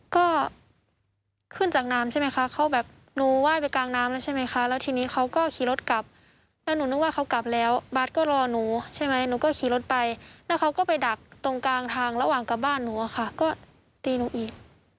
ก็ขึ้นจากน้ำใช่ไหมคะเขาแบบหนูไหว้ไปกลางน้ำแล้วใช่ไหมคะแล้วทีนี้เขาก็ขี่รถกลับแล้วหนูนึกว่าเขากลับแล้วบาทก็รอหนูใช่ไหมหนูก็ขี่รถไปแล้วเขาก็ไปดักตรงกลางทางระหว่างกลับบ้านหนูอะค่ะก็ตีหนูอีก